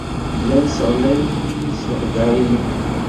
Llan sseɣlayen-iyi s leqder-inu.